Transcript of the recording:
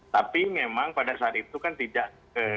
tapi memang pada saat itu kan tidak